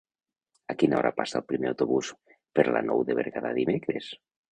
A quina hora passa el primer autobús per la Nou de Berguedà dimecres?